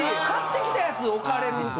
買ってきたやつ置かれる。